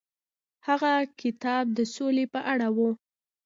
هغه کتاب د سولې په اړه و.